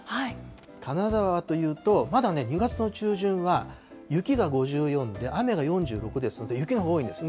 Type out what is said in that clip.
金沢はというと、まだね、２月の中旬は雪が５４で雨が４６ですので、雪が多いですね。